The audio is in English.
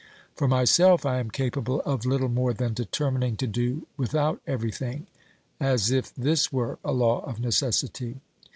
For myself, I am capable of little more than determining to do without everything, as if this were a law of necessity.